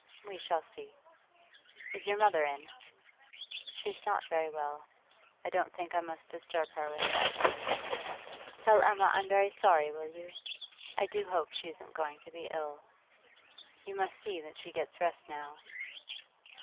'We shall see.' 'Is your mother in?' 'She's not very well; I don't think I must disturb her with bad news. Tell Emma I'm very sorry, will you? I do hope she isn't going to be ill. You must see that she gets rest now.